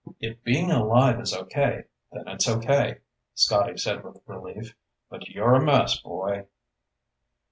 "If being alive is okay, then it's okay," Scotty said with relief. "But you're a mess, boy."